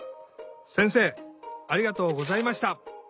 せんせいありがとうございました。